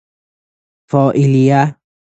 فاعلیه